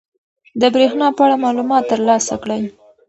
د بریښنا په اړه معلومات ترلاسه کړئ.